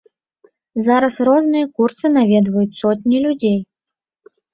Зараз розныя курсы наведваюць сотні людзей.